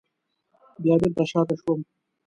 بیا بېرته شاته شوم.